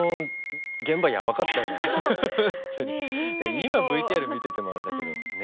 今ＶＴＲ見ててもあれだけどね。